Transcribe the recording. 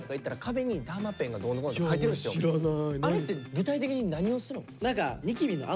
あれって具体的に何をするん？